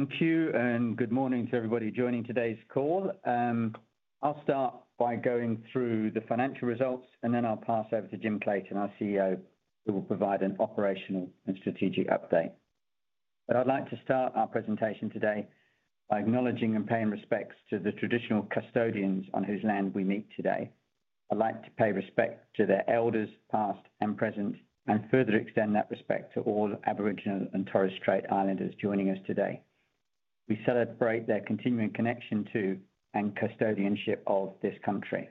Thank you, and good morning to everybody joining today's call. I'll start by going through the financial results, and then I'll pass over to Jim Clayton, our CEO, who will provide an operational and strategic update. I'd like to start our presentation today by acknowledging and paying respects to the traditional custodians on whose land we meet today. I'd like to pay respect to their elders, past and present, and further extend that respect to all Aboriginal and Torres Strait Islanders joining us today. We celebrate their continuing connection to and custodianship of this country.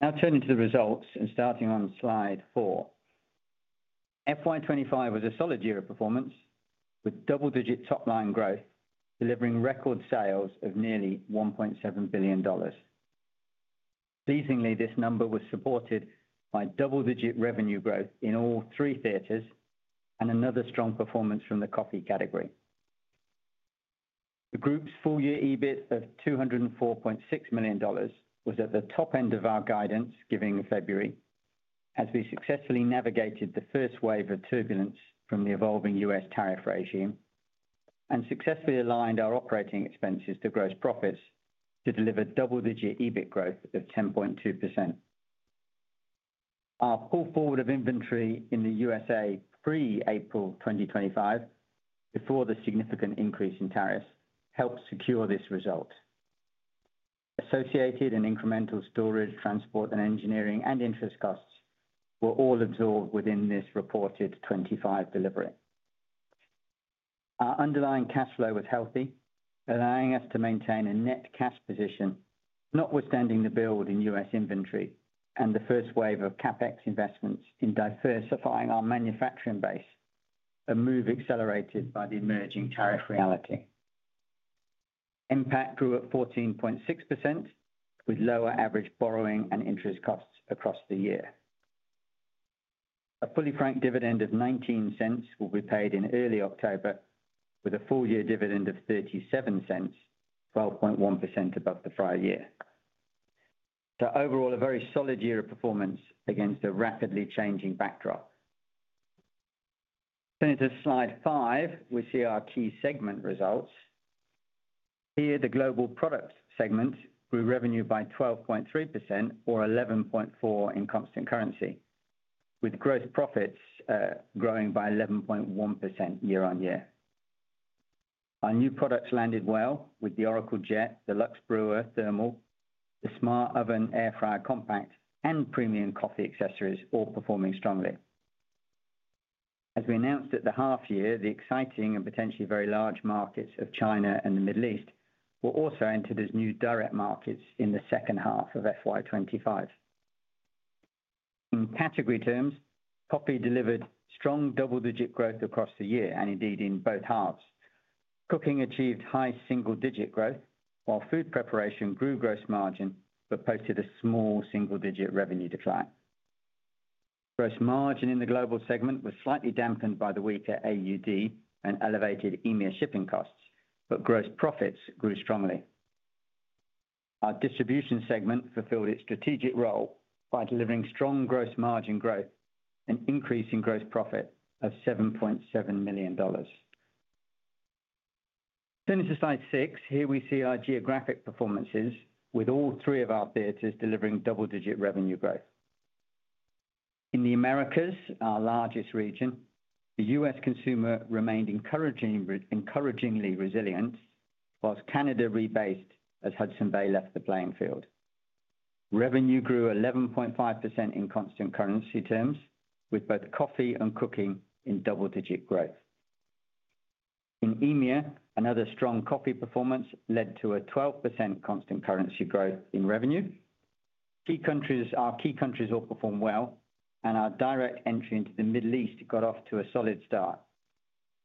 Now turning to the results and starting on slide four, 2025 was a solid year of performance with double-digit top-line growth, delivering record sales of nearly $1.7 billion. Pleasingly, this number was supported by double-digit revenue growth in all three theatres and another strong performance from the coffee category. The group's full-year EBIT of $204.6 million was at the top end of our guidance given in February, as we successfully navigated the first wave of turbulence from the evolving U.S. tariff regime and successfully aligned our operating expenses to gross profits to deliver double-digit EBIT growth of 10.2%. Our pull forward of inventory in the U.S. pre-April 2025, before the significant increase in tariffs, helped secure this result. Associated and incremental storage, transport, engineering, and interest costs were all absorbed within this reported 2025 delivery. Our underlying cash flow was healthy, allowing us to maintain a net cash position, notwithstanding the build in U.S. inventory and the first wave of CapEx investments in diversifying our manufacturing base, a move accelerated by the emerging tariff reality. NPAT grew at 14.6%, with lower average borrowing and interest costs across the year. A fully franked dividend of $0.19 will be paid in early October, with a full-year dividend of $0.37, 12.1% above the prior year. Overall, a very solid year of performance against a rapidly changing backdrop. Turning to slide five, we see our key segment results. Here, the global products segment grew revenue by 12.3% or 11.4% in constant currency, with gross profits growing by 11.1% year-on-year. Our new products landed well, with the Oracle Jet, Lux Brewer Thermal, the Smart Oven Airfryer Compact, and premium coffee accessories all performing strongly. As we announced at the half-year, the exciting and potentially very large markets of China and the Middle East were also entered as new direct markets in the second half of FY25. In category terms, coffee delivered strong double-digit growth across the year, and indeed in both halves. Cooking achieved high single-digit growth, while food preparation grew gross margin but posted a small single-digit revenue decline. Gross margin in the global segment was slightly dampened by the weaker AUD and elevated EMEA shipping costs, but gross profits grew strongly. Our distribution segment fulfilled its strategic role by delivering strong gross margin growth and increasing gross profit of $7.7 million. Turning to slide six, here we see our geographic performances, with all three of our theatres delivering double-digit revenue growth. In the Americas, our largest region, the U.S. consumer remained encouragingly resilient, whilst Canada rebased as Hudson Bay left the playing field. Revenue grew 11.5% in constant currency terms, with both coffee and cooking in double-digit growth. In EMEA, another strong coffee performance led to a 12% constant currency growth in revenue. Our key countries all performed well, and our direct entry into the Middle East got off to a solid start,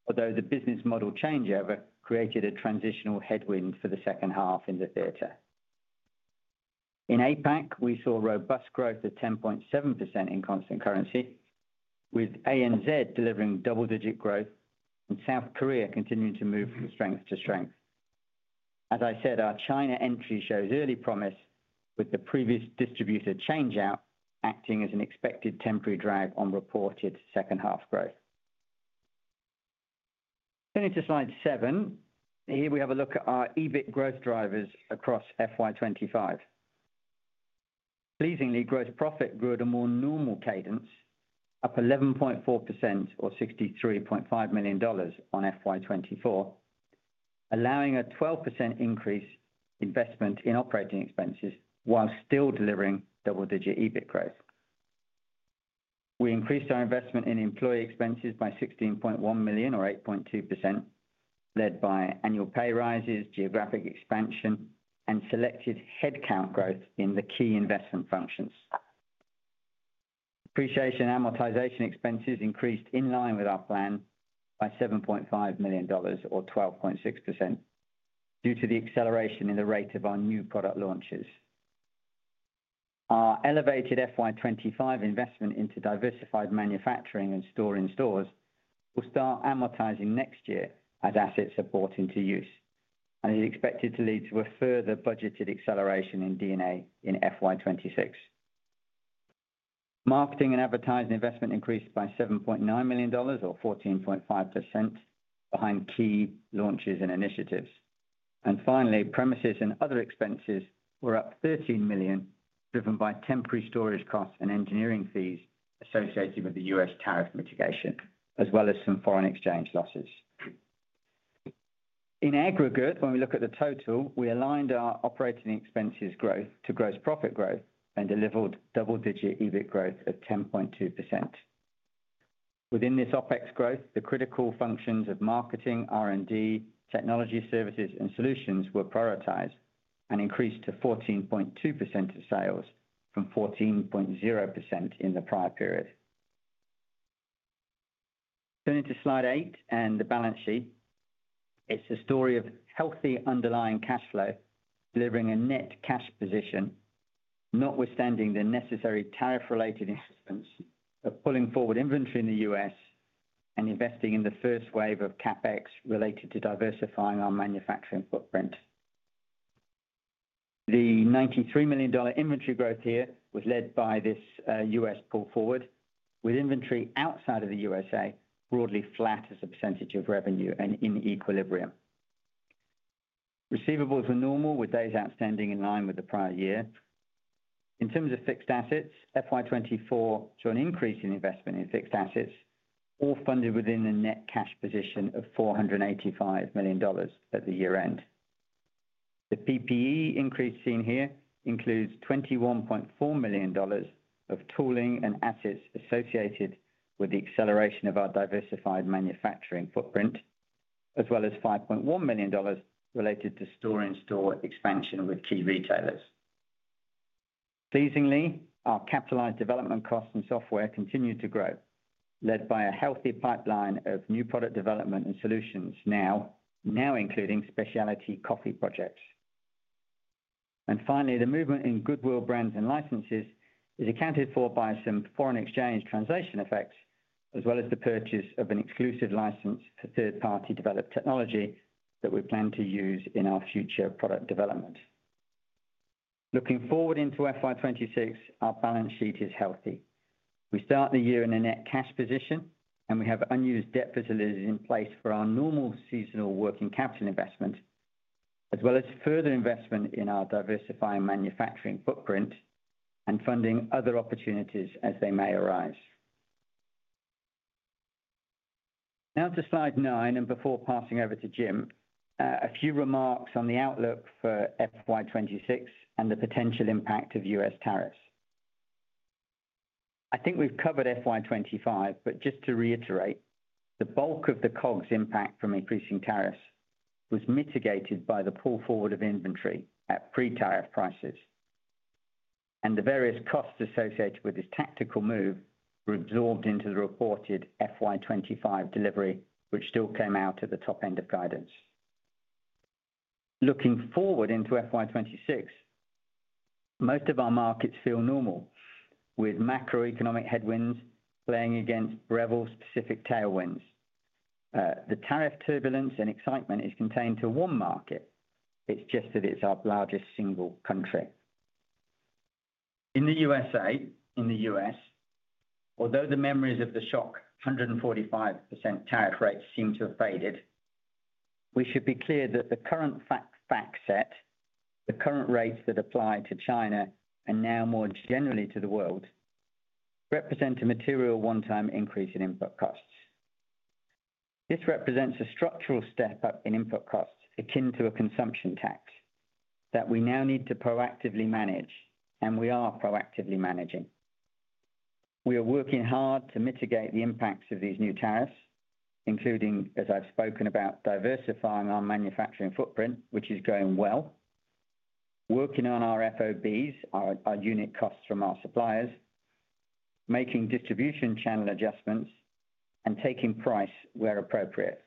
although the business model changeover created a transitional headwind for the second half in the theatre. In APAC, we saw robust growth of 10.7% in constant currency, with ANZ delivering double-digit growth and South Korea continuing to move from strength to strength. As I said, our China entry shows early promise, with the previous distributor changeout acting as an expected temporary drag on reported second-half growth. Turning to slide seven, here we have a look at our EBIT growth drivers across FY25. Pleasingly, gross profit grew at a more normal cadence, up 11.4% or $63.5 million on FY24, allowing a 12% increase in investment in operating expenses while still delivering double-digit EBIT growth. We increased our investment in employee expenses by $16.1 million or 8.2%, led by annual pay rises, geographic expansion, and selected headcount growth in the key investment functions. Depreciation and amortization expenses increased in line with our plan by $7.5 million or 12.6% due to the acceleration in the rate of our new product launches. Our elevated FY25 investment into diversified manufacturing and storing stores will start amortizing next year as assets are brought into use, and is expected to lead to a further budgeted acceleration in D&A in FY26. Marketing and advertising investment increased by $7.9 million or 14.5%, behind key launches and initiatives. Finally, premises and other expenses were up $13 million, driven by temporary storage costs and engineering fees associated with the U.S. tariff mitigation, as well as some foreign exchange losses. In aggregate, when we look at the total, we aligned our operating expenses growth to gross profit growth and delivered double-digit EBIT growth of 10.2%. Within this OpEx growth, the critical functions of marketing, R&D, technology services, and solutions were prioritized and increased to 14.2% of sales from 14.0% in the prior period. Turning to slide eight and the balance sheet, it's a story of healthy underlying cash flow delivering a net cash position, notwithstanding the necessary tariff-related incidents of pulling forward inventory in the U.S. and investing in the first wave of CapEx related to diversifying our manufacturing footprint. The $93 million inventory growth here was led by this U.S. pull forward, with inventory outside of the U.S.A. broadly flat as a percentage of revenue and in equilibrium. Receivables were normal, with days outstanding in line with the prior year. In terms of fixed assets, FY24 saw an increase in investment in fixed assets, all funded within the net cash position of $485 million at the year-end. The PPE increase seen here includes $21.4 million of tooling and assets associated with the acceleration of our diversified manufacturing footprint, as well as $5.1 million related to storing store expansion with key retailers. Pleasingly, our capitalized development costs and software continue to grow, led by a healthy pipeline of new product development and solutions now including specialty coffee projects. Finally, the movement in goodwill brands and licenses is accounted for by some foreign exchange translation effects, as well as the purchase of an exclusive license for third-party developed technology that we plan to use in our future product development. Looking forward into FY26, our balance sheet is healthy. We start the year in a net cash position, and we have unused debt facilities in place for our normal seasonal working capital investments, as well as further investment in our diversifying manufacturing footprint and funding other opportunities as they may arise. Now to slide nine, and before passing over to Jim, a few remarks on the outlook for FY26 and the potential impact of U.S. tariffs. I think we've covered FY25, but just to reiterate, the bulk of the COGS impact from increasing tariffs was mitigated by the pull forward of inventory at pre-tariff prices, and the various costs associated with this tactical move were absorbed into the reported FY25 delivery, which still came out at the top end of guidance. Looking forward into FY26, most of our markets feel normal, with macroeconomic headwinds playing against Breville-specific tailwinds. The tariff turbulence and excitement is contained to one market; it's just that it's our largest single country. In the U.S., although the memories of the shock 145% tariff rates seem to have faded, we should be clear that the current fact set, the current rates that apply to China and now more generally to the world, represent a material one-time increase in input costs. This represents a structural step up in input costs, akin to a consumption tax, that we now need to proactively manage, and we are proactively managing. We are working hard to mitigate the impacts of these new tariffs, including, as I've spoken about, diversifying our manufacturing footprint, which is going well, working on our FOBs, our unit costs from our suppliers, making distribution channel adjustments, and taking price where appropriate.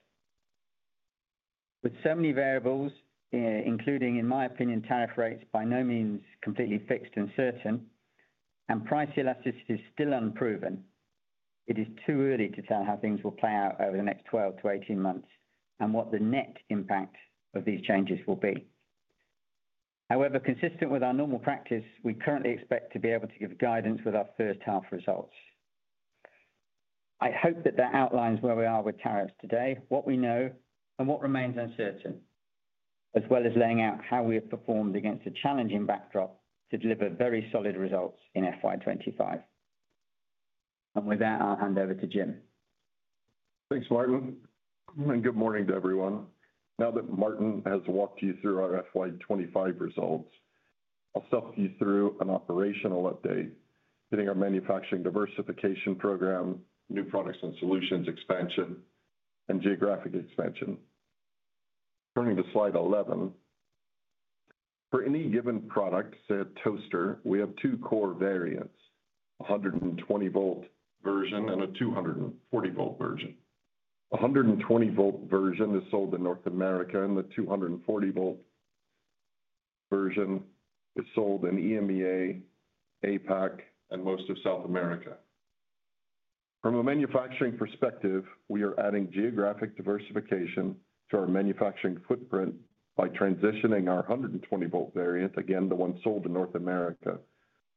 With so many variables, including, in my opinion, tariff rates by no means completely fixed and certain, and price elasticity is still unproven, it is too early to tell how things will play out over the next 12 to 18 months and what the net impact of these changes will be. However, consistent with our normal practice, we currently expect to be able to give guidance with our first half results. I hope that that outlines where we are with tariffs today, what we know, and what remains uncertain, as well as laying out how we have performed against a challenging backdrop to deliver very solid results in FY25. With that, I'll hand over to Jim. Thanks, Martin, and good morning to everyone. Now that Martin has walked you through our FY25 results, I'll step you through an operational update, hitting our manufacturing diversification program, new products and solutions expansion, and geographic expansion. Turning to slide 11, for any given product, say a toaster, we have two core variants: a 120-volt version and a 240-volt version. The 120-volt version is sold in North America, and the 240-volt version is sold in EMEA, APAC, and most of South America. From a manufacturing perspective, we are adding geographic diversification to our manufacturing footprint by transitioning our 120-volt variant, again the one sold in North America,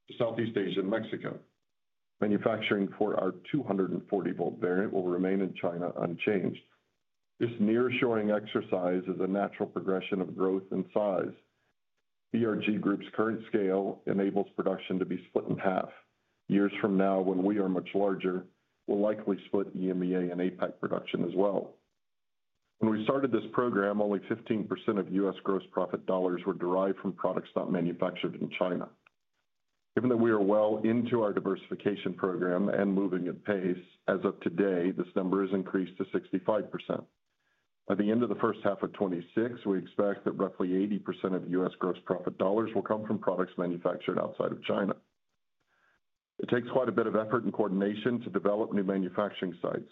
to Southeast Asia and Mexico. Manufacturing for our 240-volt variant will remain in China unchanged. This near-shoring exercise is a natural progression of growth and size. Breville Group's current scale enables production to be split in half. Years from now, when we are much larger, we'll likely split EMEA and APAC production as well. When we started this program, only 15% of U.S. gross profit dollars were derived from products not manufactured in China. Given that we are well into our diversification program and moving at pace, as of today, this number has increased to 65%. By the end of the first half of 2026, we expect that roughly 80% of U.S. gross profit dollars will come from products manufactured outside of China. It takes quite a bit of effort and coordination to develop new manufacturing sites.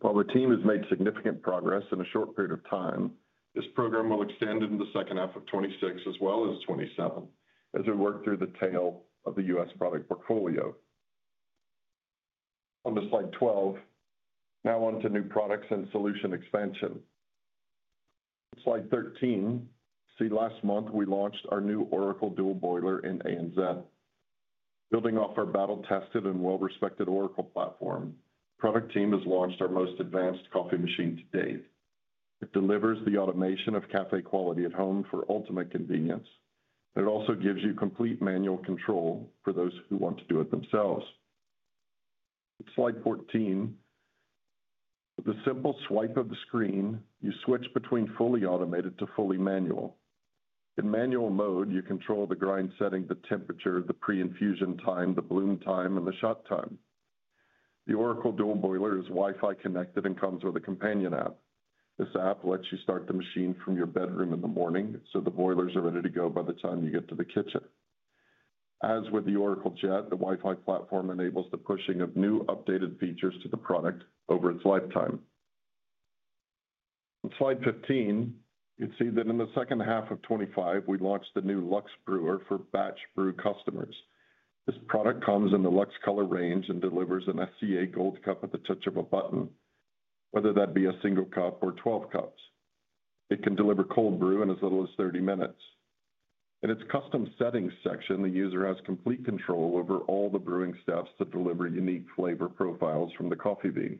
While the team has made significant progress in a short period of time, this program will extend into the second half of 2026 as well as 2027, as we work through the tail of the U.S. product portfolio. On to slide 12, now on to new products and solution expansion. Slide 13, see last month we launched our new Oracle Dual Boiler in ANZ. Building off our battle-tested and well-respected Oracle platform, the product team has launched our most advanced coffee machine to date. It delivers the automation of café quality at home for ultimate convenience, and it also gives you complete manual control for those who want to do it themselves. Slide 14, with a simple swipe of the screen, you switch between fully automated to fully manual. In manual mode, you control the grind setting, the temperature, the pre-infusion time, the bloom time, and the shot time. The Oracle Dual Boiler is Wi-Fi connected and comes with a companion app. This app lets you start the machine from your bedroom in the morning, so the boilers are ready to go by the time you get to the kitchen. As with the Oracle Jet, the Wi-Fi platform enables the pushing of new updated features to the product over its lifetime. On slide 15, you'd see that in the second half of 2025, we launched the new Lux Brewer for batch brew customers. This product comes in the Lux color range and delivers an SCA Gold Cup at the touch of a button, whether that be a single cup or 12 cups. It can deliver cold brew in as little as 30 minutes. In its custom settings section, the user has complete control over all the brewing steps to deliver unique flavor profiles from the coffee bean.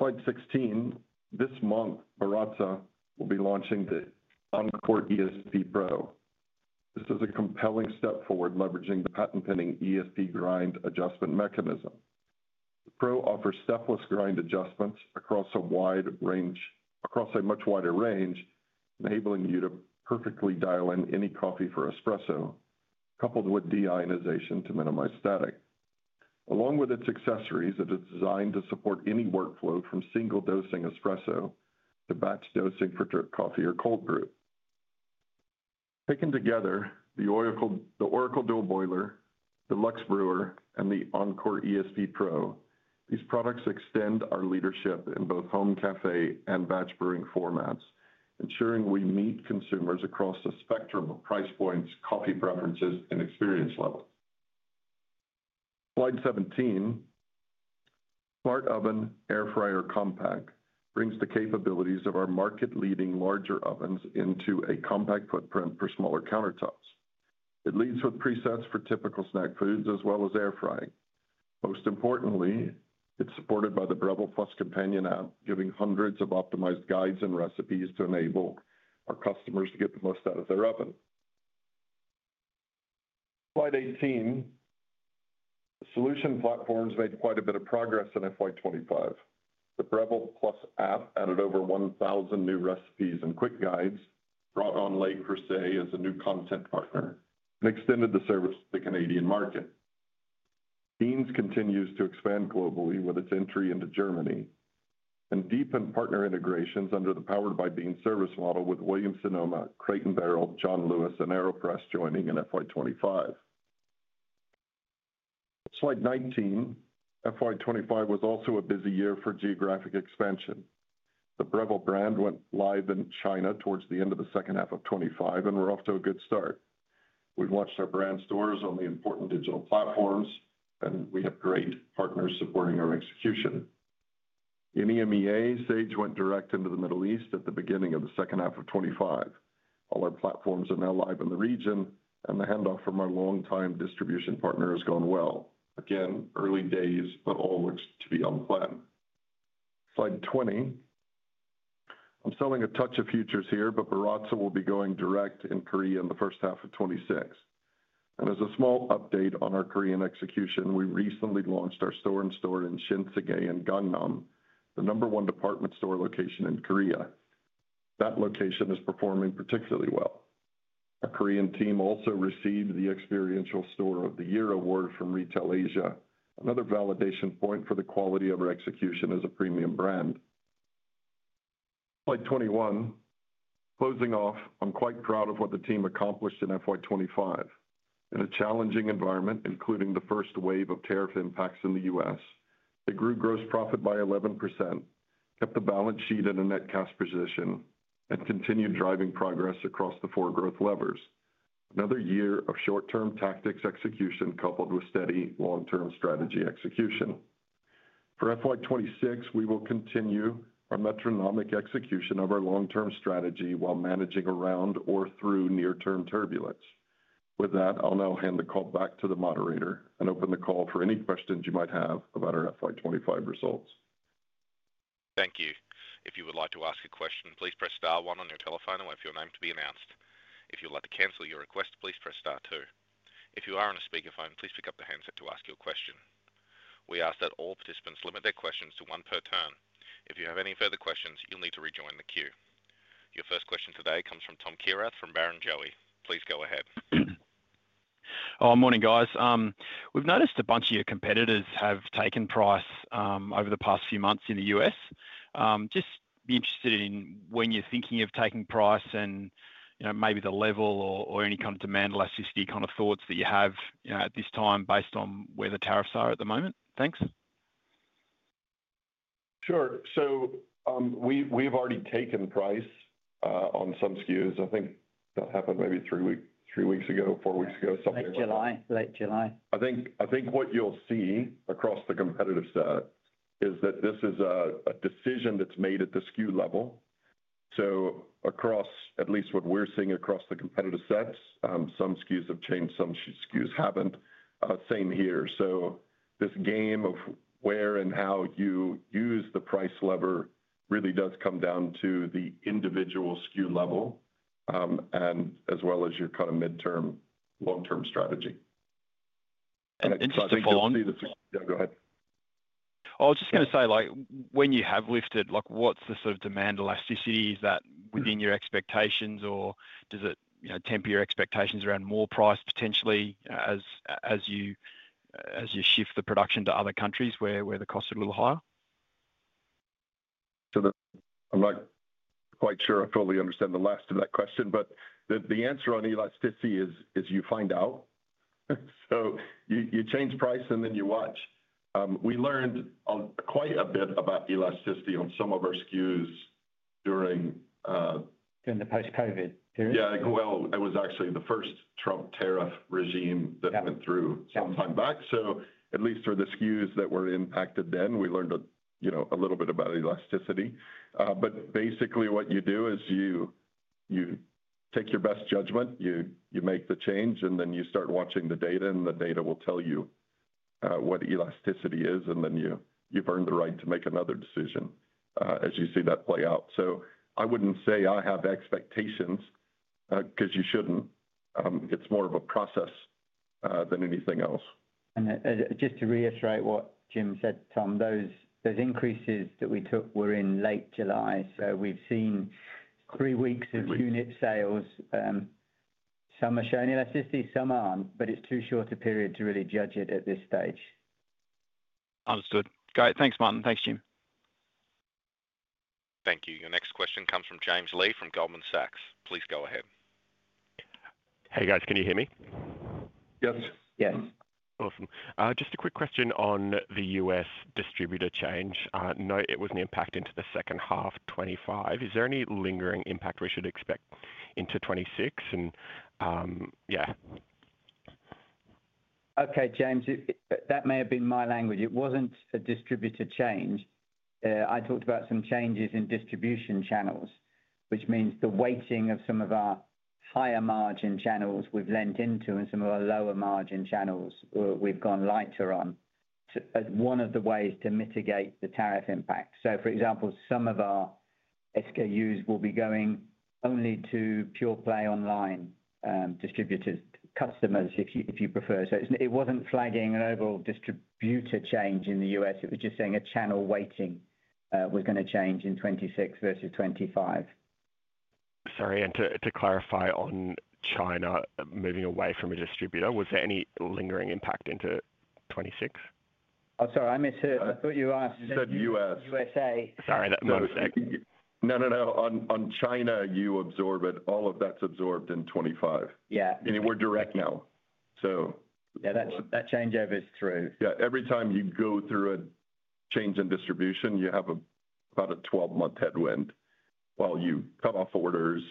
Slide 16, this month Baratza will be launching the Encore ESP Pro. This is a compelling step forward, leveraging the patent-pending ESP grind adjustment mechanism. The Pro offers stepless grind adjustments across a wide range, across a much wider range, enabling you to perfectly dial in any coffee for espresso, coupled with deionization to minimize static. Along with its accessories, it is designed to support any workflow from single dosing espresso to batch dosing for drip coffee or cold brew. Taken together, the Oracle Dual Boiler, the Lux Brewer, and the Encore ESP Pro, these products extend our leadership in both home cafe and batch brewing formats, ensuring we meet consumers across a spectrum of price points, coffee preferences, and experience levels. Slide 17, Smart Oven Airfryer Compact brings the capabilities of our market-leading larger ovens into a compact footprint for smaller countertops. It leads with presets for typical snack foods, as well as air frying. Most importantly, it's supported by the Breville Plus companion app, giving hundreds of optimized guides and recipes to enable our customers to get the most out of their oven. Slide 18, Solution Platforms made quite a bit of progress in FY2025. The Breville Plus app added over 1,000 new recipes and quick guides, brought on Le Creuset as a new content partner, and extended the service to the Canadian market. Beans continues to expand globally with its entry into Germany and deepened partner integrations under the Powered by Beans service model with Williams Sonoma, Crate & Barrel, John Lewis, and AeroPress joining in FY2025. Slide 19, FY2025 was also a busy year for geographic expansion. The Breville brand went live in China towards the end of the second half of 2025 and we're off to a good start. We've launched our brand stores on the important digital platforms, and we have great partners supporting our execution. In EMEA, Sage went direct into the Middle East at the beginning of the second half of 2025. All our platforms are now live in the region, and the handoff from our long-time distribution partner has gone well. Early days, but all looks to be on plan. Slide 20, I'm selling a touch of futures here, but Baratza will be going direct in Korea in the first half of 2026. As a small update on our Korean execution, we recently launched our store-in-store in Shinsegae in Gangnam, the number one department store location in Korea. That location is performing particularly well. Our Korean team also received the Experiential Store of the Year award from Retail Asia, another validation point for the quality of our execution as a premium brand. Slide 21, closing off, I'm quite proud of what the team accomplished in FY2025. In a challenging environment, including the first wave of tariff impacts in the U.S., it grew gross profit by 11%, kept the balance sheet in a net cash position, and continued driving progress across the four growth levers. Another year of short-term tactics execution coupled with steady long-term strategy execution. For FY2026, we will continue our metronomic execution of our long-term strategy while managing around or through near-term turbulence. With that, I'll now hand the call back to the moderator and open the call for any questions you might have about our FY2025 results. Thank you. If you would like to ask a question, please press star one on your telephone and wait for your name to be announced. If you'd like to cancel your request, please press star two. If you are on a speaker phone, please pick up the handset to ask your question. We ask that all participants limit their questions to one per turn. If you have any further questions, you'll need to rejoin the queue. Your first question today comes from Tom Keirath from Montgomery Investment Management. Please go ahead. Oh, good morning, guys. We've noticed a bunch of your competitors have taken price over the past few months in the U.S. Just be interested in when you're thinking of taking price and maybe the level or any kind of demand elasticity kind of thoughts that you have at this time based on where the tariffs are at the moment. Thanks. Sure. We've already taken price on some SKUs. I think that happened maybe three weeks ago, four weeks ago, something. Late July, late July. I think what you'll see across the competitive set is that this is a decision that's made at the SKU level. Across at least what we're seeing across the competitive sets, some SKUs have changed, some SKUs haven't, same here. This game of where and how you use the price lever really does come down to the individual SKU level as well as your kind of midterm, long-term strategy. is interesting to follow on. Go ahead. I was just going to say, when you have lifted, what's the sort of demand elasticity? Is that within your expectations, or does it temper your expectations around more price potentially as you shift the production to other countries where the costs are a little higher? I'm not quite sure I totally understand the last of that question, but the answer on elasticity is you find out. You change price and then you watch. We learned quite a bit about elasticity on some of our SKUs during. During the post-COVID period. It was actually the first Trump tariff regime that went through some time back. At least for the SKUs that were impacted then, we learned a little bit about elasticity. Basically, what you do is you take your best judgment, you make the change, and then you start watching the data. The data will tell you what elasticity is, and then you've earned the right to make another decision as you see that play out. I wouldn't say I have expectations because you shouldn't. It's more of a process than anything else. To reiterate what Jim said, Tom, those increases that we took were in late July. We've seen three weeks of unit sales. Some are showing elasticity, some aren't, but it's too short a period to really judge it at this stage. Understood. Great. Thanks, Martin. Thanks, Jim. Thank you. Your next question comes from James Lee from Goldman Sachs. Please go ahead. Hey, guys, can you hear me? Yes. Yes. Awesome. Just a quick question on the U.S. distributor change. I know it was an impact into the second half of 2025. Is there any lingering impact we should expect into 2026? Yeah. Okay, James, that may have been my language. It wasn't a distributor change. I talked about some changes in distribution channels, which means the weighting of some of our higher margin channels we've lent into, and some of our lower margin channels we've gone lighter on as one of the ways to mitigate the tariff impact. For example, some of our SKUs will be going only to pure play online distributors, customers, if you prefer. It wasn't flagging an overall distributor change in the U.S. It was just saying a channel weighting was going to change in 2026 versus 2025. Sorry, and to clarify on China moving away from a distributor, was there any lingering impact into 2026? I'm sorry, I misheard. I thought you asked. You said the U.S. USA. Sorry, no. No, no, no. On China, you absorb it. All of that's absorbed in 2025. Yeah. We're direct now, so. Yeah, that changeover is through. Yeah, every time you go through a change in distribution, you have about a 12-month headwind while you cut off orders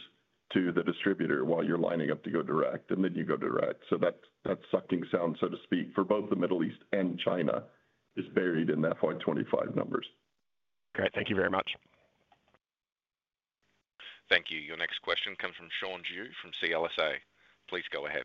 to the distributor while you're lining up to go direct, and then you go direct. That sucking sound, so to speak, for both the Middle East and China is buried in the FY2025 numbers. Great, thank you very much. Thank you. Your next question comes from Sean Zhu from CLSA. Please go ahead.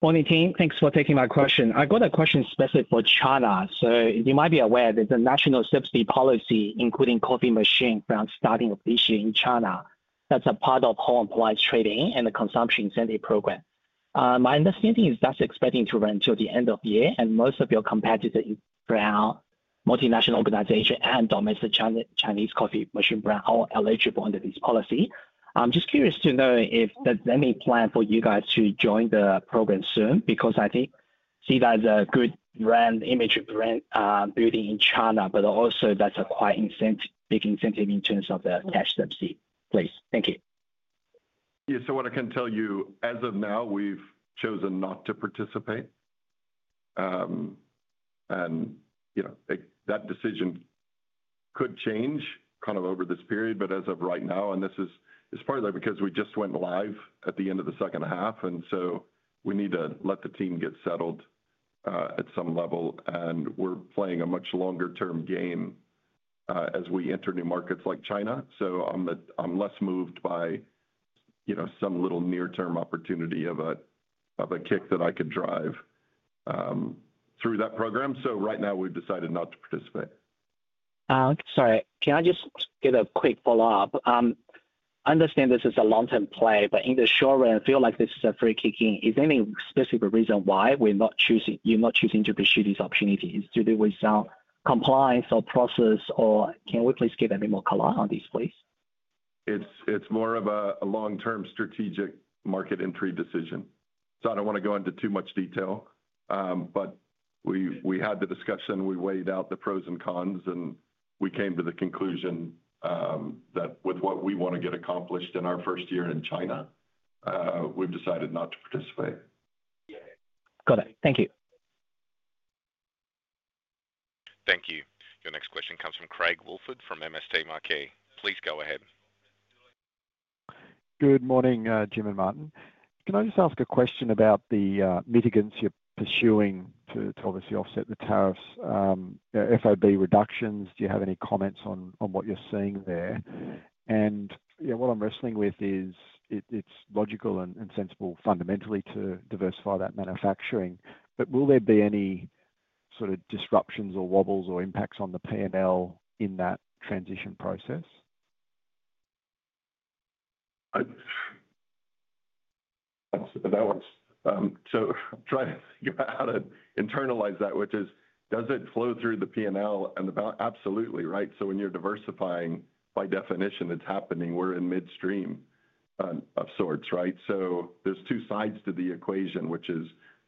Morning, team. Thanks for taking my question. I've got a question specific for China. You might be aware that the national subsidy policy, including coffee machine brands starting this year in China, is part of the home appliance trading and the consumption incentive program. My understanding is that's expected to run till the end of the year, and most of your competitor brands, multinational organizations, and domestic Chinese coffee machine brands are all eligible under this policy. I'm just curious to know if there's any plan for you guys to join the program soon because I think Breville Group is a good brand image brand building in China, but also that's a quite big incentive in terms of the cash subsidy. Please, thank you. What I can tell you, as of now, we've chosen not to participate. That decision could change over this period, but as of right now, this is partly because we just went live at the end of the second half, and we need to let the team get settled at some level. We're playing a much longer-term game as we enter new markets like China. I'm less moved by some little near-term opportunity of a kick that I could drive through that program. Right now, we've decided not to participate. Sorry, can I just get a quick follow-up? I understand this is a long-term play, but in the short run, I feel like this is a free kick. Is there any specific reason why you're not choosing to pursue this opportunity? Is it to do with some compliance or process, or can we please get a bit more color on this, please? It's more of a long-term strategic market entry decision. I don't want to go into too much detail, but we had the discussion, we weighed out the pros and cons, and we came to the conclusion that with what we want to get accomplished in our first year in China, we've decided not to participate. Yeah, got it. Thank you. Thank you. Your next question comes from Craig Robinson from MSA Market. Please go ahead. Good morning, Jim and Martin. Can I just ask a question about the mitigants you're pursuing to obviously offset the tariffs? FOB reductions, do you have any comments on what you're seeing there? What I'm wrestling with is it's logical and sensible fundamentally to diversify that manufacturing, but will there be any sort of disruptions or wobbles or impacts on the P&L in that transition process? I lost the balance. I'm trying to figure out how to internalize that, which is, does it flow through the P&L and the balance? Absolutely, right? When you're diversifying, by definition, it's happening. We're in midstream of sorts, right? There are two sides to the equation, which is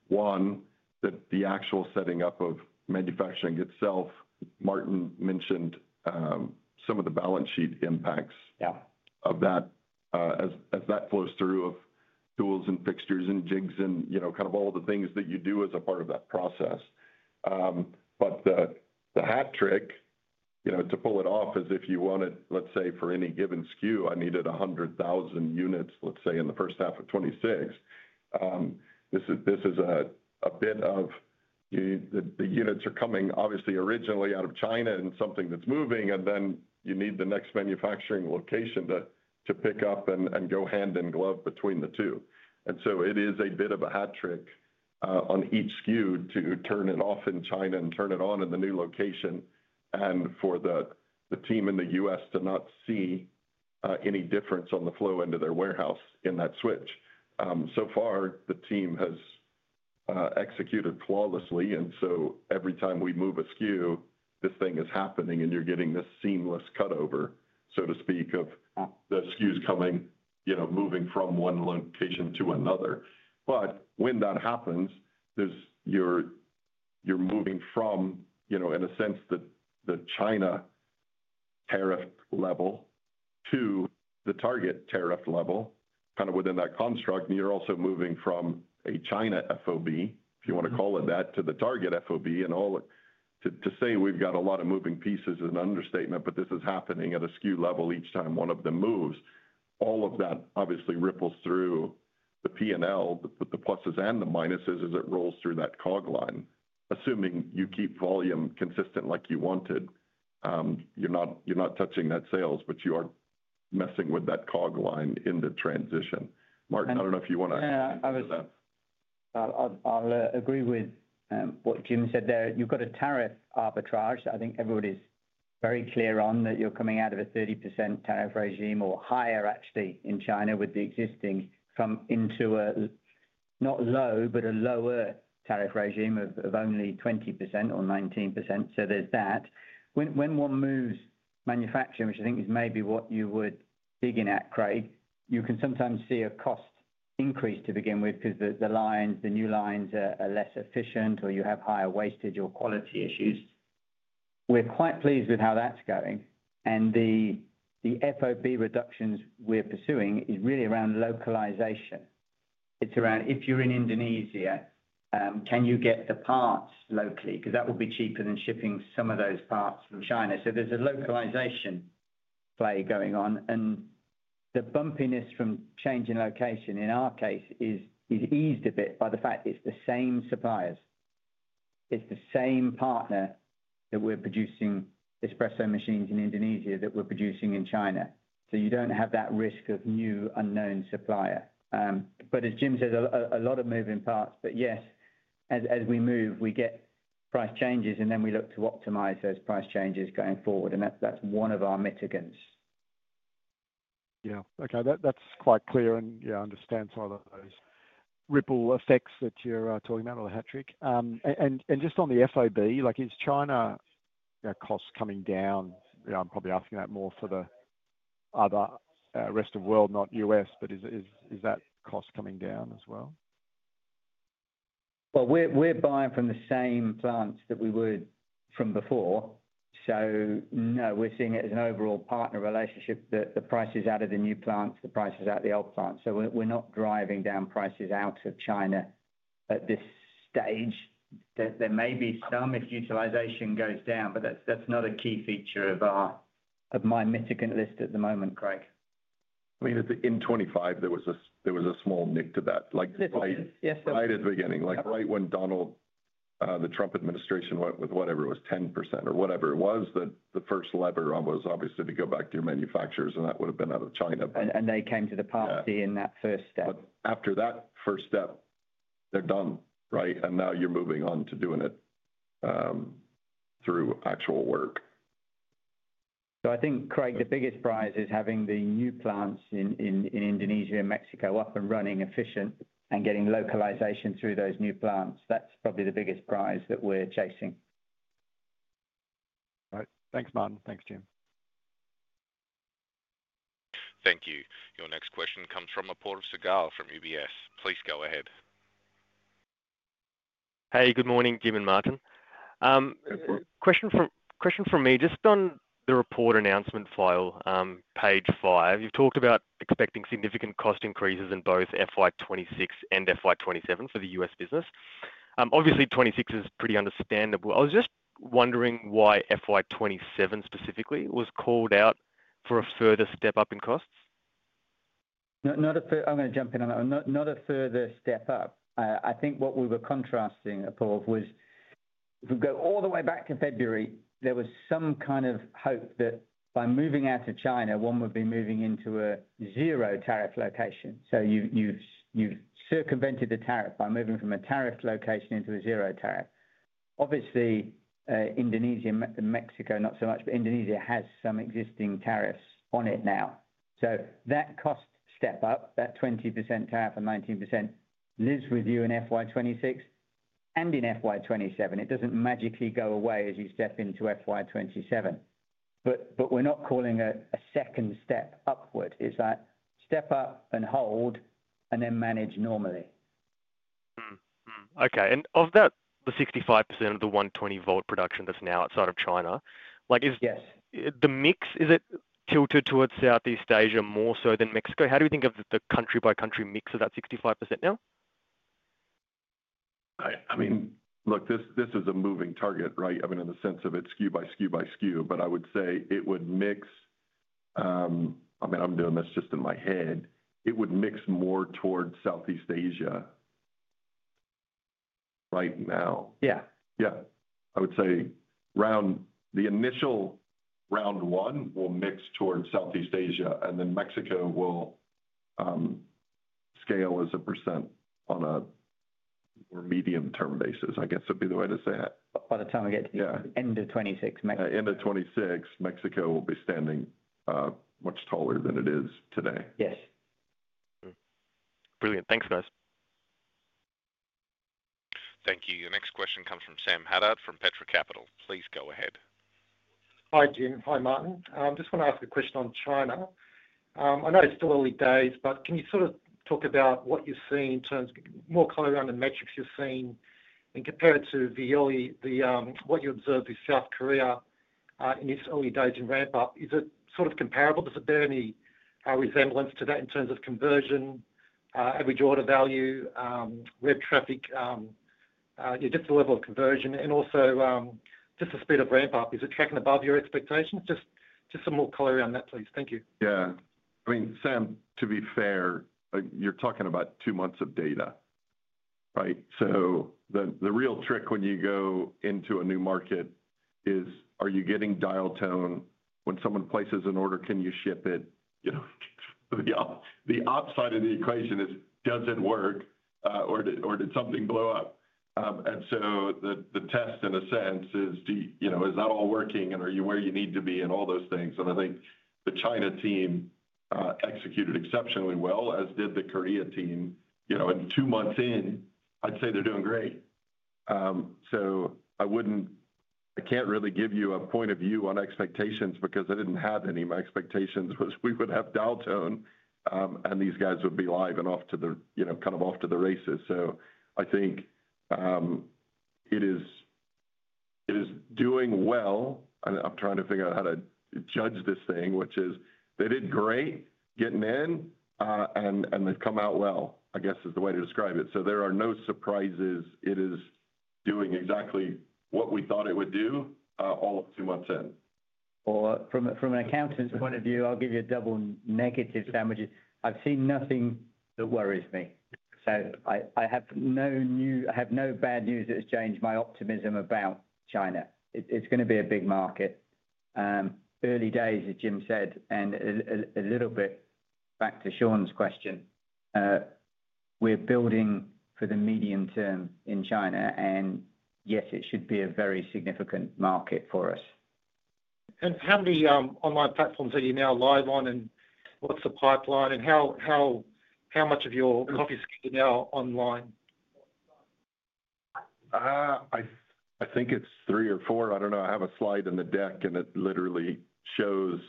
one, the actual setting up of manufacturing itself. Martin mentioned some of the balance sheet impacts of that as that flows through of tools and fixtures and jigs and all the things that you do as a part of that process. The hat trick to pull it off is if you wanted, let's say, for any given SKU, I needed 100,000 units in the first half of 2026. This is a bit of the units are coming obviously originally out of China and something that's moving, and then you need the next manufacturing location to pick up and go hand in glove between the two. It is a bit of a hat trick on each SKU to turn it off in China and turn it on in the new location and for the team in the U.S. to not see any difference on the flow into their warehouse in that switch. So far, the team has executed flawlessly, and every time we move a SKU, this thing is happening and you're getting this seamless cutover, so to speak, of the SKUs moving from one location to another. When that happens, you're moving from, in a sense, the China tariff level to the target tariff level, kind of within that construct, and you're also moving from a China FOB, if you want to call it that, to the target FOB. All to say we've got a lot of moving pieces is an understatement, but this is happening at a SKU level each time one of them moves. All of that obviously ripples through the P&L, but the pluses and the minuses as it rolls through that COG line, assuming you keep volume consistent like you wanted. You're not touching that sales, but you are messing with that COG line in the transition. Martin, I don't know if you want to. I'll agree with what Jim said there. You've got a tariff arbitrage. I think everybody's very clear on that. You're coming out of a 30% tariff regime or higher, actually, in China with the existing, coming into a not low, but a lower tariff regime of only 20% or 19%. There's that. When one moves manufacturing, which I think is maybe what you were digging at, Craig, you can sometimes see a cost increase to begin with because the new lines are less efficient or you have higher wastage or quality issues. We're quite pleased with how that's going. The FOB reductions we're pursuing are really around localization. It's around if you're in Indonesia, can you get the parts locally? That will be cheaper than shipping some of those parts from China. There's a localization play going on. The bumpiness from changing location in our case is eased a bit by the fact it's the same suppliers. It's the same partner that we're producing espresso machines in Indonesia with that we're producing in China. You don't have that risk of new unknown supplier. As Jim says, a lot of moving parts. Yes, as we move, we get price changes and then we look to optimize those price changes going forward. That's one of our mitigants. Yeah, okay, that's quite clear and yeah, I understand some of those ripple effects that you're talking about or the hat trick. Just on the FOB, like is China costs coming down? I'm probably asking that more for the other rest of the world, not U.S., but is that cost coming down as well? We're buying from the same plants that we would from before. We're seeing it as an overall partner relationship that the prices out of the new plants, the prices out of the old plants. We're not driving down prices out of China at this stage. There may be some if utilization goes down, but that's not a key feature of my mitigant list at the moment, Craig. I mean, in 2025, there was a small nick to that. Like right at the beginning, like right when the Trump administration went with whatever it was, 10% or whatever it was, the first lever was obviously to go back to your manufacturers and that would have been out of China. They came to the party in that first step. After that first step, they're done, right? Now you're moving on to doing it through actual work. I think, Craig, the biggest prize is having the new plants in Indonesia and Mexico up and running efficient and getting localization through those new plants. That's probably the biggest prize that we're chasing. Thanks, Martin. Thanks, Jim. Thank you. Your next question comes from Paul Segal from UBS. Please go ahead. Hey, good morning, Jim and Martin. Question from me. Just on the report announcement file, page five, you've talked about expecting significant cost increases in both FY2026 and FY2027 for the US business. Obviously, 2026 is pretty understandable. I was just wondering why FY2027 specifically was called out for a further step up in costs. I'm going to jump in on that one. Not a further step up. I think what we were contrasting, Paul, was if we go all the way back to February, there was some kind of hope that by moving out of China, one would be moving into a zero tariff location. You've circumvented the tariff by moving from a tariff location into a zero tariff. Obviously, Indonesia and Mexico, not so much, but Indonesia has some existing tariffs on it now. That cost step up, that 20% tariff and 19% lives with you in FY2026. In FY2027, it doesn't magically go away as you step into FY2027. We're not calling it a second step upward. It's like step up and hold and then manage normally. Okay. Of that, the 65% of the 120-volt production that's now outside of China, is the mix tilted towards Southeast Asia more so than Mexico? How do you think of the country-by-country mix of that 65% now? I mean, look, this is a moving target, right? In the sense of it's SKU by SKU by SKU, but I would say it would mix, I mean, I'm doing this just in my head, it would mix more towards Southeast Asia right now. Yeah. Yeah. I would say the initial round one will mix towards Southeast Asia, and then Mexico will scale as a % on a more medium-term basis, I guess would be the way to say it. By the time we get to the end of 2026, Mexico. End of 2026, Mexico will be standing much taller than it is today. Yes. Brilliant. Thanks, guys. Thank you. Your next question comes from Sam Haddad from Petra Capital. Please go ahead. Hi, Jim. Hi, Martin. I just want to ask a question on China. I know it's still early days, but can you sort of talk about what you've seen in terms of more clearly around the metrics you're seeing? Compared to the early, what you observed with South Korea in its early days in ramp-up, is it sort of comparable? Is there any resemblance to that in terms of conversion, average order value, red traffic, just the level of conversion, and also just the speed of ramp-up? Is it tracking above your expectations? Just some more color around that, please. Thank you. Yeah. I mean, Sam, to be fair, you're talking about two months of data, right? The real trick when you go into a new market is, are you getting dial tone? When someone places an order, can you ship it? The opposite of the equation is, does it work or did something blow up? The test in a sense is, do you know, is that all working and are you where you need to be and all those things? I think the China team executed exceptionally well, as did the Korea team. Two months in, I'd say they're doing great. I can't really give you a point of view on expectations because I didn't have any. My expectation was we would have dial tone and these guys would be live and off to the races. I think it is doing well. I'm trying to figure out how to judge this thing, which is they did great getting in and they've come out well, I guess is the way to describe it. There are no surprises. It is doing exactly what we thought it would do all of two months in. From an accountant's point of view, I'll give you a double negative damages. I've seen nothing that worries me. I have no new, I have no bad news that's changed my optimism about China. It's going to be a big market. Early days, as Jim said, and a little bit back to Sean's question, we're building for the medium term in China, and yes, it should be a very significant market for us. How many online platforms are you now live on, what's the pipeline, and how much of your, obviously, you're now online? I think it's three or four. I don't know. I have a slide in the deck and it literally shows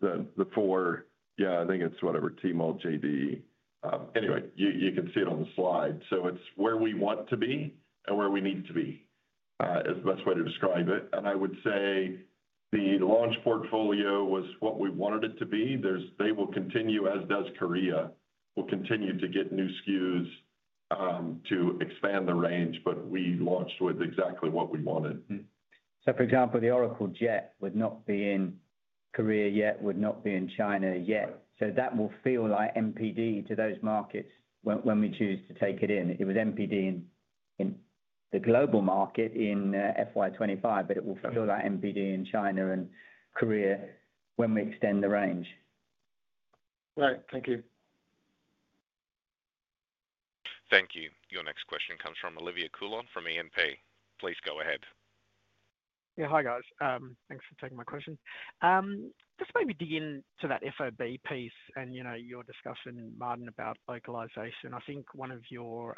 the four. I think it's whatever, T-Mall, JD. Anyway, you can see it on the slide. It's where we want to be and where we need to be, the best way to describe it. I would say the launch portfolio was what we wanted it to be. They will continue, as does Korea, to get new SKUs to expand the range, but we launched with exactly what we wanted. For example, the Oracle Jet would not be in Korea yet, would not be in China yet. That will feel like MPD to those markets when we choose to take it in. It was MPD in the global market in FY2025, but it will feel like MPD in China and Korea when we extend the range. Right. Thank you. Thank you. Your next question comes from Olivia Coulon from ENP. Please go ahead. Yeah, hi guys. Thanks for taking my question. Just maybe dig into that FOB piece and your discussion, Martin, about localization. I think one of your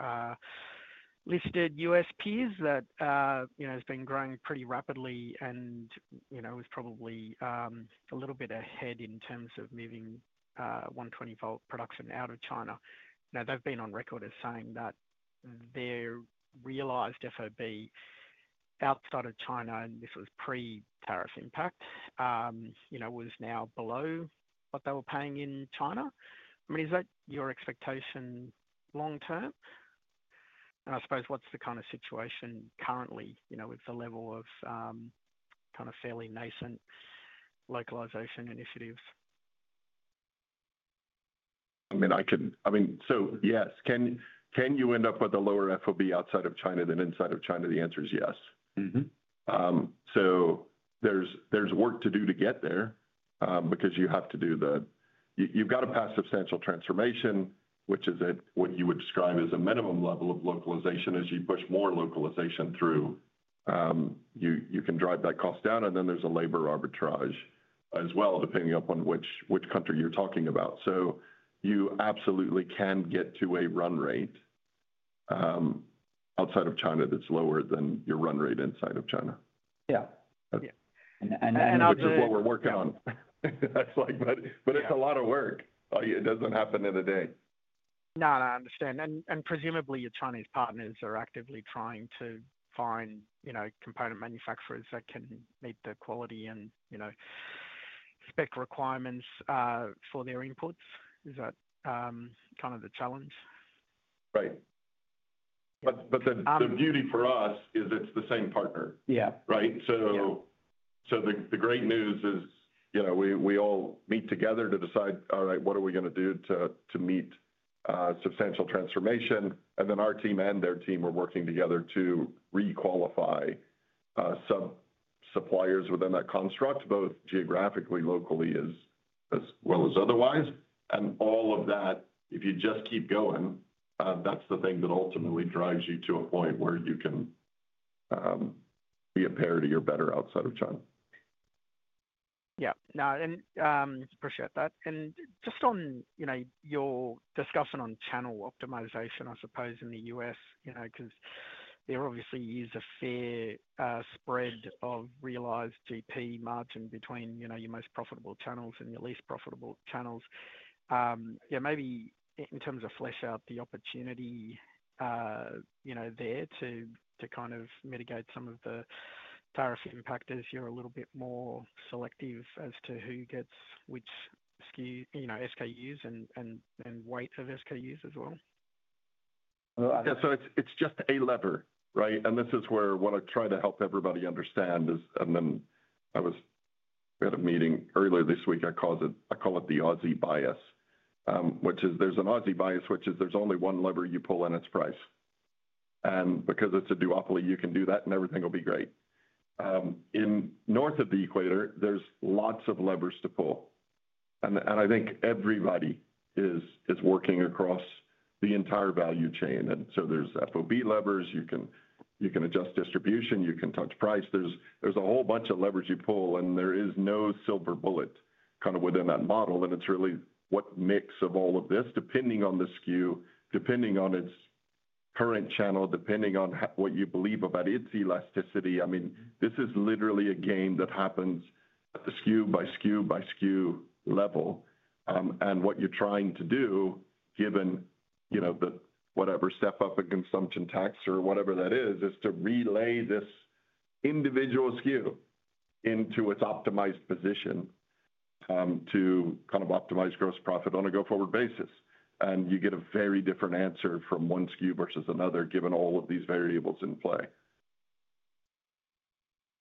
listed USPs that has been growing pretty rapidly and is probably a little bit ahead in terms of moving 120-volt production out of China. Now, they've been on record as saying that their realized FOB outside of China, and this was pre-tariff impact, was now below what they were paying in China. Is that your expectation long term? I suppose what's the kind of situation currently with the level of fairly nascent localization initiatives? Yes, can you end up with a lower FOB outside of China than inside of China? The answer is yes. There's work to do to get there because you have to do the, you've got to pass substantial transformation, which is what you would describe as a minimum level of localization. As you push more localization through, you can drive that cost down. There's a labor arbitrage as well, depending upon which country you're talking about. You absolutely can get to a run rate outside of China that's lower than your run rate inside of China. Yeah. That's just what we're working on. It's a lot of work. It doesn't happen in a day. No, I understand. Presumably, your Chinese partners are actively trying to find, you know, component manufacturers that can meet the quality and, you know, spec requirements for their inputs. Is that kind of the challenge? Right. The beauty for us is it's the same partner. Yeah. Right. The great news is, you know, we all meet together to decide, all right, what are we going to do to meet substantial transformation? Our team and their team are working together to requalify some suppliers within that construct, both geographically, locally, as well as otherwise. All of that, if you just keep going, that's the thing that ultimately drives you to a point where you can be at parity or better outside of China. Yeah. No, I appreciate that. Just on your discussion on channel optimization, I suppose in the US, because there obviously is a fair spread of realized GP margin between your most profitable channels and your least profitable channels. Maybe in terms of flesh out the opportunity there to kind of mitigate some of the tariff impact as you're a little bit more selective as to who gets which SKUs and weight of SKUs as well. It is just a lever, right? What I try to help everybody understand is, I was at a meeting earlier this week, I call it the Aussie bias, which is there's an Aussie bias, which is there's only one lever you pull and it's price. Because it's a duopoly, you can do that and everything will be great. In north of the equator, there are lots of levers to pull. I think everybody is working across the entire value chain. There are FOB levers, you can adjust distribution, you can touch price. There is a whole bunch of levers you pull and there is no silver bullet within that model. It is really what mix of all of this, depending on the SKU, depending on its current channel, depending on what you believe about its elasticity. This is literally a game that happens at the SKU by SKU by SKU level. What you're trying to do, given the whatever step up in consumption tax or whatever that is, is to relay this individual SKU into its optimized position to optimize gross profit on a go-forward basis. You get a very different answer from one SKU versus another, given all of these variables in play.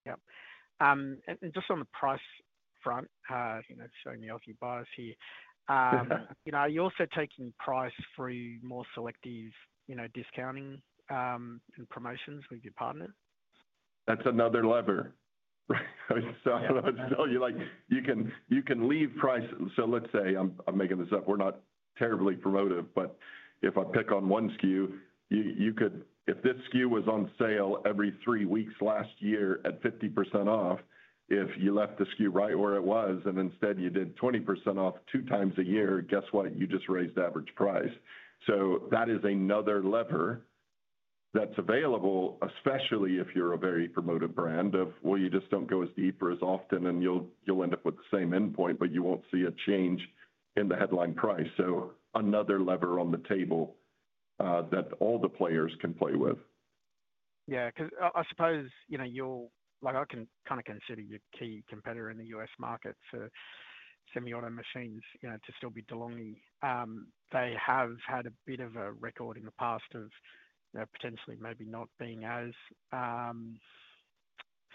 Yeah. Just on the price front, I'm showing the Aussie bias here. You know, are you also taking price through more selective, you know, discounting and promotions with your partner? That's another lever, right? I'll tell you, you can leave price. Let's say, I'm making this up, we're not terribly promotive, but if I pick on one SKU, you could, if this SKU was on sale every three weeks last year at 50% off, if you left the SKU right where it was and instead you did 20% off two times a year, guess what? You just raised average price. That is another lever that's available, especially if you're a very promoted brand. You just don't go as deep or as often and you'll end up with the same endpoint, but you won't see a change in the headline price. Another lever on the table that all the players can play with. Yeah, because I suppose, you know, you're like, I can kind of consider you a key competitor in the U.S. market for semi-automation machines, you know, to still be DeLonghi. They have had a bit of a record in the past of, you know, potentially maybe not being as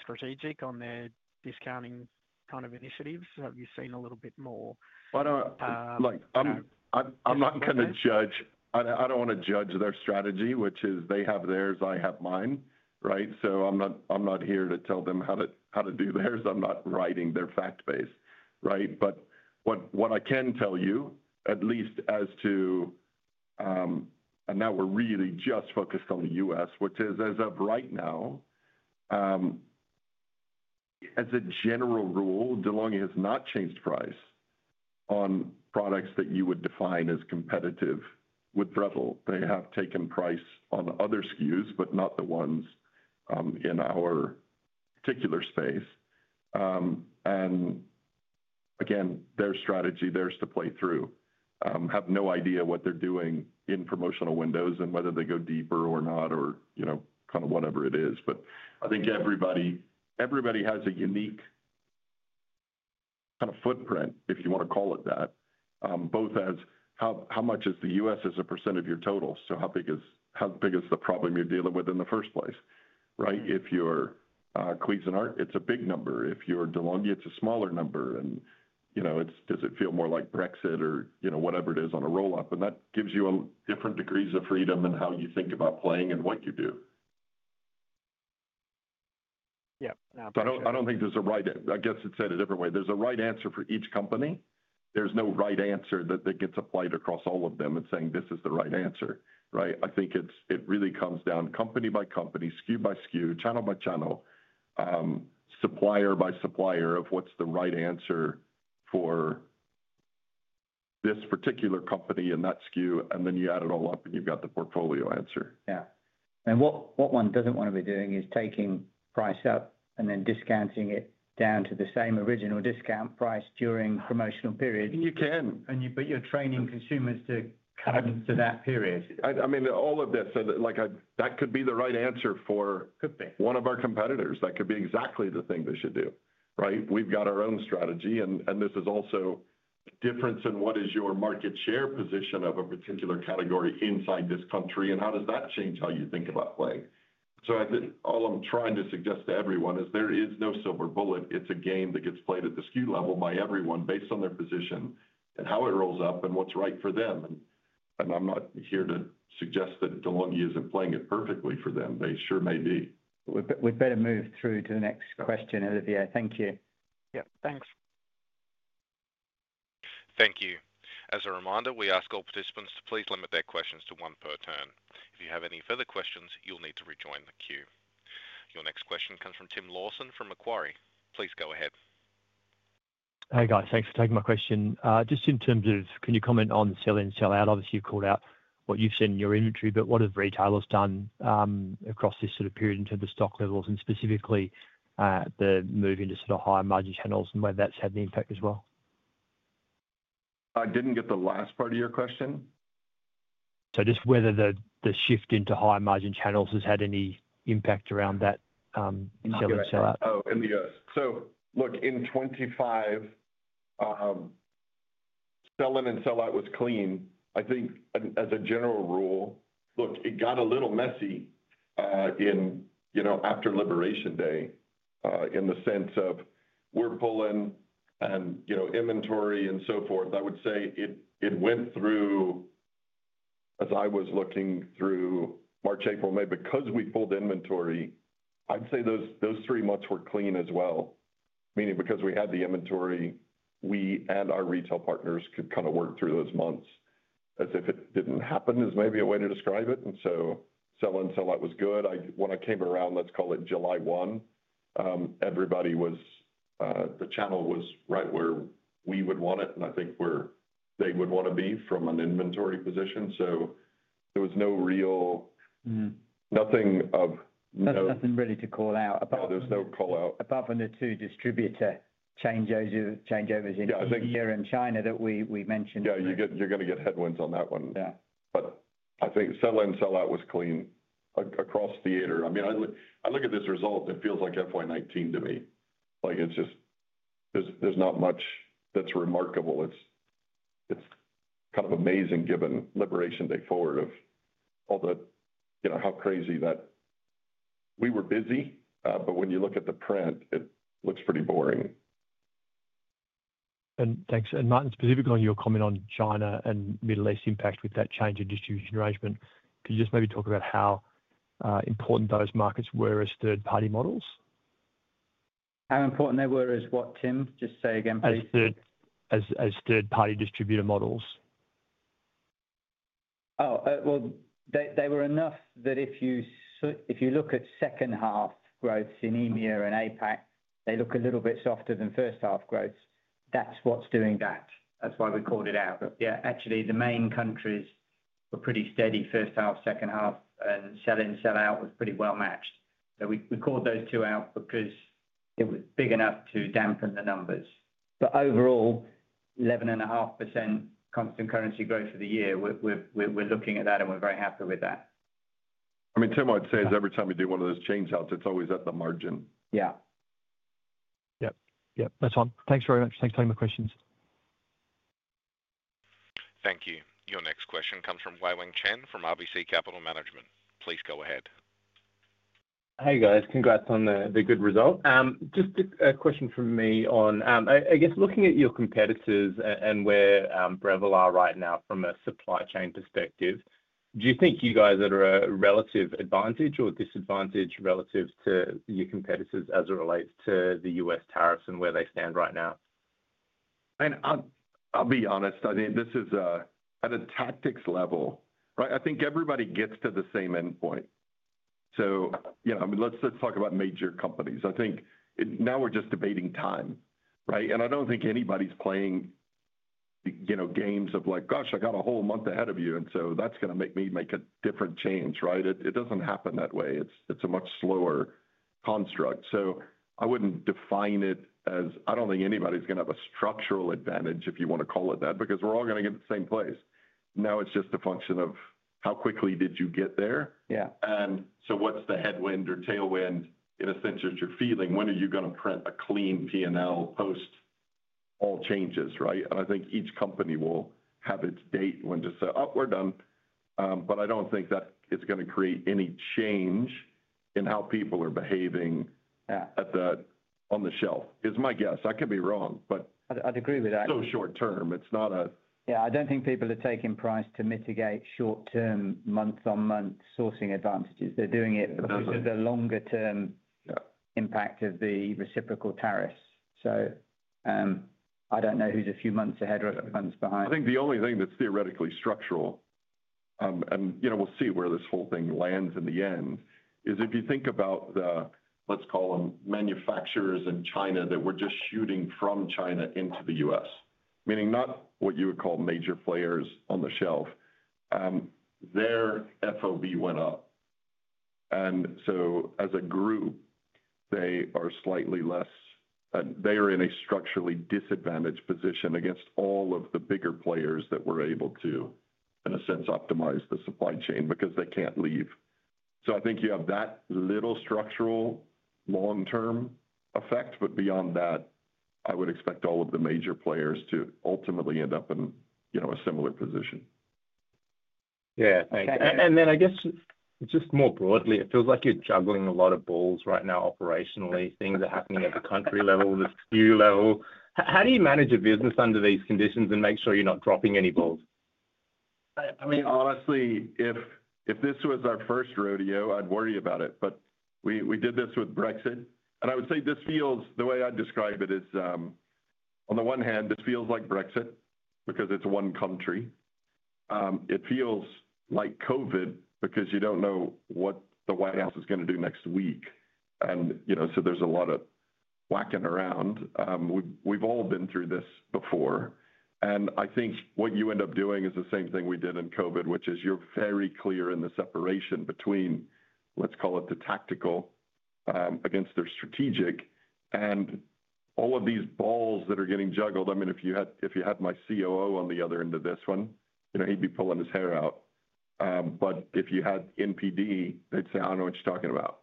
strategic on their discounting kind of initiatives. Have you seen a little bit more? I'm not going to judge. I don't want to judge their strategy, which is they have theirs, I have mine, right? I'm not here to tell them how to do theirs. I'm not writing their fact base, right? What I can tell you, at least as to, and now we're really just focused on the U.S., which is as of right now, as a general rule, DeLonghi has not changed price on products that you would define as competitive with Breville. They have taken price on other SKUs, but not the ones in our particular space. Their strategy there is to play through. I have no idea what they're doing in promotional windows and whether they go deeper or not or, you know, kind of whatever it is. I think everybody has a unique kind of footprint, if you want to call it that, both as how much is the U.S. as a percent of your total. How big is the problem you're dealing with in the first place, right? If you're Cuisinart, it's a big number. If you're DeLonghi, it's a smaller number. Does it feel more like Brexit or, you know, whatever it is on a roll-up? That gives you different degrees of freedom in how you think about playing and what you do. Yeah. I don't think there's a right, I guess it's said a different way. There's a right answer for each company. There's no right answer that gets applied across all of them and saying this is the right answer, right? I think it really comes down company by company, SKU by SKU, channel by channel, supplier by supplier of what's the right answer for this particular company in that SKU. Then you add it all up and you've got the portfolio answer. What one doesn't want to be doing is taking price up and then discounting it down to the same original discount price during promotional periods. You can. You are training consumers to come to that period. All of this could be the right answer for one of our competitors. That could be exactly the thing they should do, right? We've got our own strategy. This is also a difference in what is your market share position of a particular category inside this country and how does that change how you think about playing. All I'm trying to suggest to everyone is there is no silver bullet. It's a game that gets played at the SKU level by everyone based on their position and how it rolls up and what's right for them. I'm not here to suggest that DeLonghi isn't playing it perfectly for them. They sure may be. We better move through to the next question, Olivia. Thank you. Yeah, thanks. Thank you. As a reminder, we ask all participants to please limit their questions to one per turn. If you have any further questions, you'll need to rejoin the queue. Your next question comes from Tim Lawson from Macquarie. Please go ahead. Hi guys, thanks for taking my question. Just in terms of, can you comment on sell-in, sell-out? Obviously, you've called out what you've seen in your inventory, but what have retailers done across this sort of period in terms of stock levels and specifically the move into sort of higher margin channels and whether that's had an impact as well? I didn't get the last part of your question. Whether the shift into higher margin channels has had any impact around that sell-in, sell-out. Oh, in the US. In 2025, sell-in and sell-out was clean. I think as a general rule, it got a little messy after Liberation Day in the sense of we're pulling inventory and so forth. I would say it went through, as I was looking through March, April, May, because we pulled inventory, I'd say those three months were clean as well. Meaning because we had the inventory, we and our retail partners could kind of work through those months as if it didn't happen is maybe a way to describe it. Sell-in, sell-out was good. When I came around, let's call it July 1, everybody was, the channel was right where we would want it and I think where they would want to be from an inventory position. There was no real, nothing of. Nothing really to call out. No, there's no call out. Apart from the two distributor changeovers in India and China that we mentioned. Yeah, you're going to get headwinds on that one. Yeah, but I think sell-in, sell-out was clean across theater. I mean, I look at this result, it feels like FY2019 to me. Like it's just, there's not much that's remarkable. It's kind of amazing given Liberation Day forward of all the, you know, how crazy that we were busy, but when you look at the print, it looks pretty boring. Thanks. Martin, specifically on your comment on China and Middle East impact with that change in distribution arrangement, could you just maybe talk about how important those markets were as third-party models? How important they were as what, Tim? Just say again, please. As third-party distributor models. Oh, they were enough that if you look at second half growths in EMEA and APAC, they look a little bit softer than first half growths. That's what's doing that. That's why we called it out. Actually, the main countries were pretty steady first half, second half, and sell-in, sell-out was pretty well matched. We called those two out because it was big enough to dampen the numbers. Overall, 11.5% constant currency growth for the year, we're looking at that and we're very happy with that. I mean, Tim might say every time you do one of those change-outs, it's always at the margin. Yeah, that's fine. Thanks very much. Thanks for taking my questions. Thank you. Your next question comes from Weiweng Chen from RBC Capital Management. Please go ahead. Hey guys, congrats on the good result. Just a question from me on, I guess, looking at your competitors and where Breville Group are right now from a supply chain perspective, do you think you guys are at a relative advantage or disadvantage relative to your competitors as it relates to the U.S. tariffs and where they stand right now? I'll be honest, this is at a tactics level, right? I think everybody gets to the same endpoint. Let's talk about major companies. I think now we're just debating time, right? I don't think anybody's playing games of like, gosh, I got a whole month ahead of you, and that's going to make me make a different change, right? It doesn't happen that way. It's a much slower construct. I wouldn't define it as, I don't think anybody's going to have a structural advantage if you want to call it that because we're all going to get to the same place. Now it's just a function of how quickly did you get there. What's the headwind or tailwind in a sense that you're feeling? When are you going to print a clean P&L post all changes, right? I think each company will have its date when to say, oh, we're done. I don't think that it's going to create any change in how people are behaving on the shelf is my guess. I could be wrong, but. I'd agree with that. It's so short term. It's not a. Yeah, I don't think people are taking price to mitigate short-term month-on-month sourcing advantages. They're doing it because of the longer-term impact of the reciprocal tariffs. I don't know who's a few months ahead or a few months behind. I think the only thing that's theoretically structural, and we'll see where this whole thing lands in the end, is if you think about the, let's call them, manufacturers in China that were just shooting from China into the U.S., meaning not what you would call major players on the shelf, their FOB went up. As a group, they are slightly less, and they are in a structurally disadvantaged position against all of the bigger players that were able to, in a sense, optimize the supply chain because they can't leave. I think you have that little structural long-term effect, but beyond that, I would expect all of the major players to ultimately end up in a similar position. Thank you. I guess just more broadly, it feels like you're juggling a lot of balls right now operationally. Things are happening at the country level, the SKU level. How do you manage a business under these conditions and make sure you're not dropping any balls? I mean, honestly, if this was our first rodeo, I'd worry about it. We did this with Brexit. I would say this feels, the way I'd describe it is, on the one hand, this feels like Brexit because it's one country. It feels like COVID because you don't know what the White House is going to do next week. There's a lot of whacking around. We've all been through this before. I think what you end up doing is the same thing we did in COVID, which is you're very clear in the separation between, let's call it the tactical against the strategic. All of these balls that are getting juggled, I mean, if you had my COO on the other end of this one, he'd be pulling his hair out. If you had NPD, they'd say, I don't know what you're talking about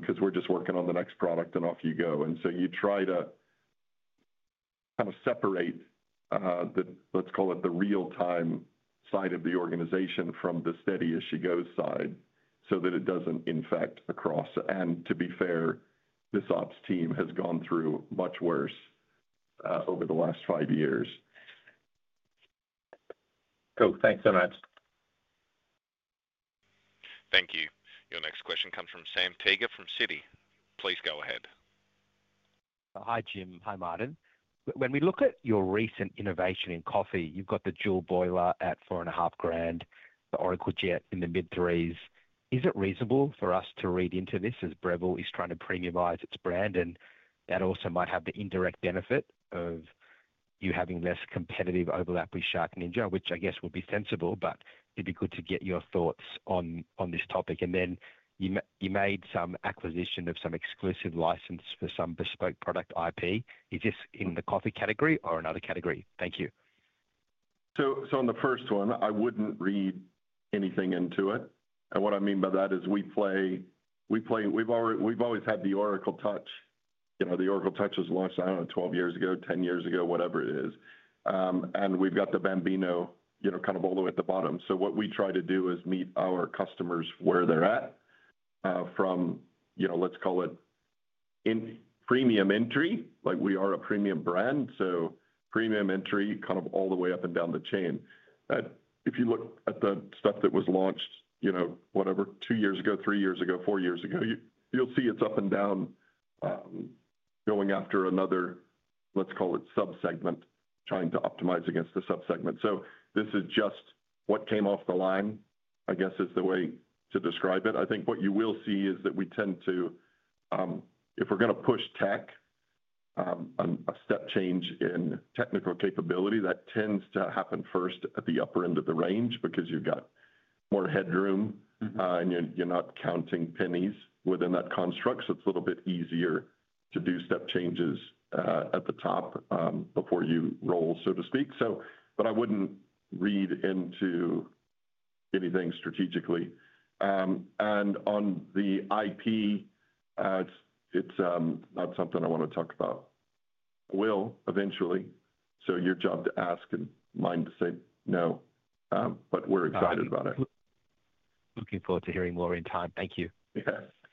because we're just working on the next product and off you go. You try to kind of separate the, let's call it the real-time side of the organization from the steady as she goes side so that it doesn't infect across. To be fair, this ops team has gone through much worse over the last five years. Cool. Thanks so much. Thank you. Your next question comes from Sam Tega from Citi. Please go ahead. Hi, Jim. Hi, Martin. When we look at your recent innovation in coffee, you've got the dual boiler at $4,500, the Oracle Jet in the mid-$3,000s. Is it reasonable for us to read into this as Breville is trying to premiumize its brand? That also might have the indirect benefit of you having less competitive overlap with Shark Ninja, which I guess would be sensible. It'd be good to get your thoughts on this topic. You made some acquisition of some exclusive license for some bespoke product IP. Is this in the coffee category or another category? Thank you. On the first one, I wouldn't read anything into it. What I mean by that is we play, we've always had the Oracle Touch. You know, the Oracle Touch was launched, I don't know, 12 years ago, 10 years ago, whatever it is. We've got the Bambino, you know, kind of all the way at the bottom. What we try to do is meet our customers where they're at, from, you know, let's call it in premium entry, like we are a premium brand. Premium entry kind of all the way up and down the chain. If you look at the stuff that was launched, you know, whatever, two years ago, three years ago, four years ago, you'll see it's up and down, going after another, let's call it subsegment, trying to optimize against the subsegment. This is just what came off the line, I guess, is the way to describe it. I think what you will see is that we tend to, if we're going to push tech, a step change in technical capability, that tends to happen first at the upper end of the range because you've got more headroom, and you're not counting pennies within that construct. It's a little bit easier to do step changes at the top, before you roll, so to speak. I wouldn't read into anything strategically. On the IP, it's not something I want to talk about. Will eventually. Your job to ask and mine to say no. We're excited about it. Looking forward to hearing more in time. Thank you. Yes. Yeah.